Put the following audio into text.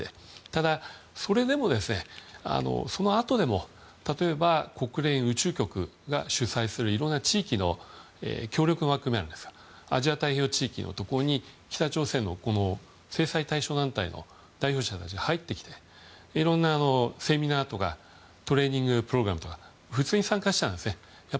ただ、それでも、そのあとでも例えば、国連宇宙局が主催するいろんな地域の協力の枠組みがありますがアジア太平洋地域のところに北朝鮮の制裁対象団体の代表者たちが入ってきていろんなセミナーとかトレーニングプログラムに普通に参加していたんですね。